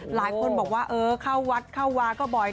หลายคนบอกว่าเออเข้าวัดเข้าวาก็บ่อย